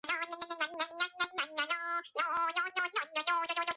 განსაკუთრებით ლე კორბუზიეს მიერ შექმნილ შენობებში.